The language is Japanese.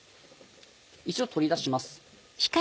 一度取り出します。